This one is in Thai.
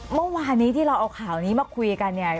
เมื่อวานนี้ที่เราเอาข่าวนี้มาคุยกันเนี่ย